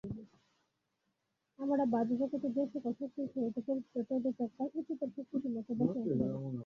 আমরা বাহ্যজগতে যে-সকল শক্তির সহিত পরিচিত, তদপেক্ষা উচ্চতর শক্তিসমূহকে বশে আনিতে হইবে।